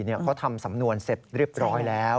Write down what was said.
เขาทำสำนวนเสร็จเรียบร้อยแล้ว